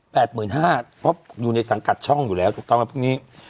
เพราะอยู่ในสังกัดช่องอยู่แล้วจริงตอนนี้